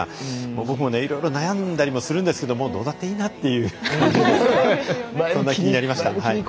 僕もいろいろ悩んだりするんですけどどうだっていいなっていうそんな気になりました。